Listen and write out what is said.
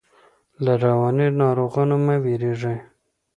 له رواني ناروغانو مه ویریږئ.